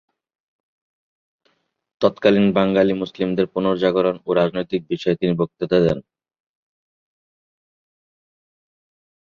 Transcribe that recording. তৎকালীন বাঙালি মুসলিমদের পুনর্জাগরণ ও রাজনৈতিক বিষয়ে তিনি বক্তৃতা করতেন।